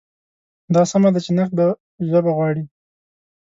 دا سمه ده چې نقد به ژبه غواړي.